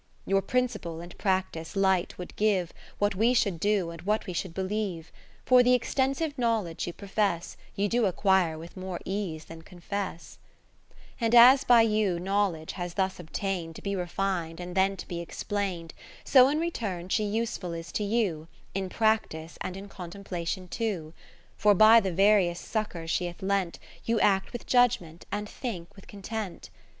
Your principle and practice light would give What we should do, and what we should believe : 50 For the extensive knowledge you profess, You do acquire with more ease than confess, And as by you knowledge has thus obtain'd To be refin'd, and then to be explain'd : So in return she useful is to you, In practice and in contemplation too. For by the various succours she hath lent, You act with judgement, and think with content.